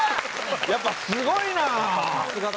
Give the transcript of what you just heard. やっぱすごいな。